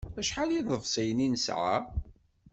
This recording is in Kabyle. Acḥal n iḍefsiyen i nesɛa?